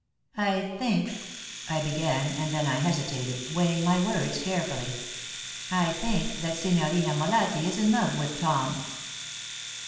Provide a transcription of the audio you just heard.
"I think," I began, and then I hesitated, weighing my words carefully "I think that Signorina Molatti is in love with Tom."